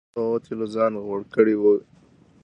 تا به هم په هغو تېلو ځان غوړ کړی و.